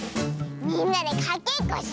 みんなでかけっこしようズル。